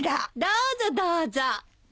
どうぞどうぞ。